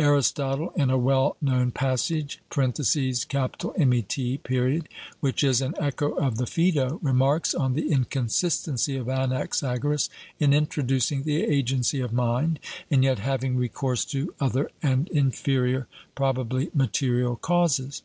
Aristotle, in a well known passage (Met.) which is an echo of the Phaedo, remarks on the inconsistency of Anaxagoras in introducing the agency of mind, and yet having recourse to other and inferior, probably material causes.